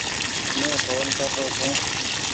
مين ڦون ڪر رو ڇون ۔